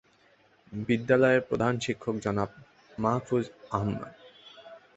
বিদ্যালয়ের প্রধান শিক্ষক জনাব মাহফুজ আহমদ।